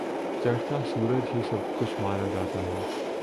چڑھتا سورج ہی سب کچھ مانا جاتا ہے۔